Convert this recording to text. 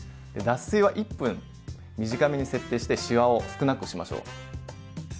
脱水は１分短めに設定してしわを少なくしましょう。